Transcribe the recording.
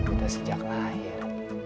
udah sejak lahir